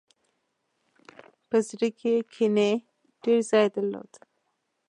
په زړه کې یې کینې ډېر ځای درلود.